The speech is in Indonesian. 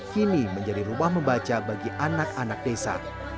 kini menjadi rumah membaca bagi anak anak desa